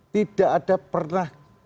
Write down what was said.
tidak ada pernah